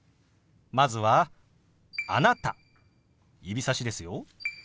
まずは「あなた」指さしですよ。